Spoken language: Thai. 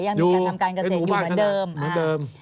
ยังมีการทำการเกษตรอยู่เหมือนเดิม